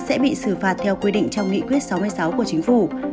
sẽ bị xử phạt theo quy định trong nghị quyết sáu mươi sáu của chính phủ